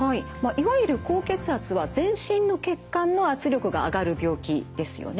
いわゆる高血圧は全身の血管の圧力が上がる病気ですよね。